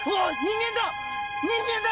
人間だ！